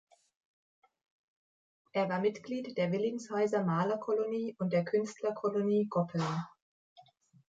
Er war Mitglied der Willingshäuser Malerkolonie und der Künstlerkolonie Goppeln.